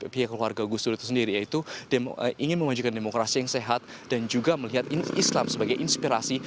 pihak keluarga gus dur itu sendiri yaitu ingin mewujudkan demokrasi yang sehat dan juga melihat islam sebagai inspirasi